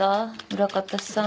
裏方さん。